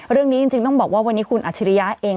เรื่องนี้จริงต้องบอกว่าวันนี้คุณอัจฉริยะเอง